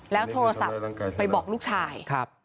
แล้วโทรศัพท์ไปบอกลูกชาย